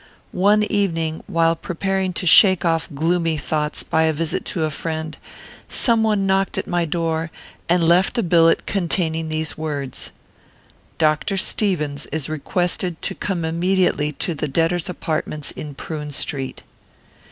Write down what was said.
One evening, while preparing to shake off gloomy thoughts by a visit to a friend, some one knocked at my door, and left a billet containing these words: "_Dr. Stevens is requested to come immediately to the Debtors' Apartments in Prune Street.